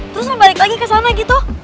terus saya balik lagi ke sana gitu